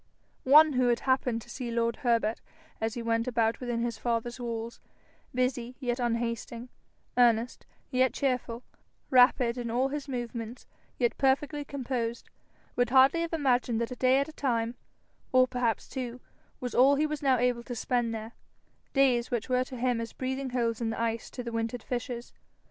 One who had happened to see lord Herbert as he went about within his father's walls, busy yet unhasting, earnest yet cheerful, rapid in all his movements yet perfectly composed, would hardly have imagined that a day at a time, or perhaps two, was all he was now able to spend there, days which were to him as breathing holes in the ice to the wintered fishes.